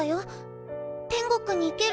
天国に行けるの？